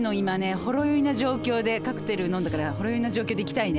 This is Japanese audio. ほろ酔いな状況でカクテル飲んだからほろ酔いな状況で行きたいね。